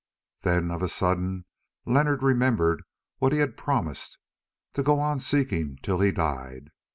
Then of a sudden Leonard remembered what he had promised—to go on seeking till he died.